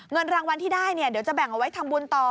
เงินรางวัลที่ได้เดี๋ยวจะแบ่งเอาไว้ทำบุญต่อ